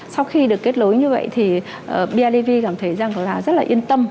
sau khi được kết nối như vậy thì biav cảm thấy rất yên tâm